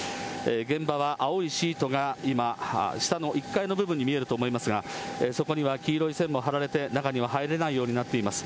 現場は青いシートが今、下の１階の部分に見えると思いますが、そこには黄色い線も張られて、中には入れないようになっています。